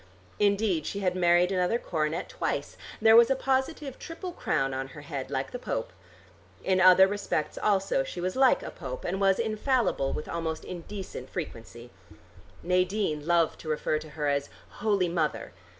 Indeed she had married another coronet twice: there was a positive triple crown on her head like the Pope. In other respects also she was like a Pope, and was infallible with almost indecent frequency. Nadine loved to refer to her as "Holy Mother."